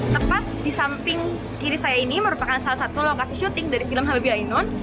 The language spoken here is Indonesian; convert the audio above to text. tepat di samping kiri saya ini merupakan salah satu lokasi syuting dari film habibi ainun